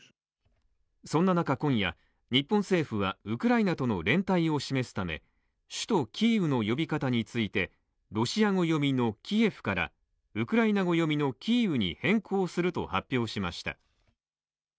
そんな中、今夜、日本政府はウクライナとの連帯を示すため首都キーウの呼び方についてロシア語読みのキエフからウクライナ語読みのキーウに変更すると発表しました。